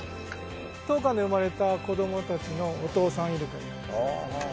当館で生まれた子供たちのお父さんイルカです。